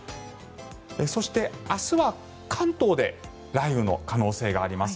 そして、明日は関東で雷雨の可能性があります。